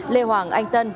lê hoàng anh tân